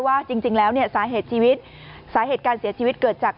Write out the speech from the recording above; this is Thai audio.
ว่าจริงแล้วเนี่ยสาเหตุชีวิตสาเหตุการเสียชีวิตเกิดจาก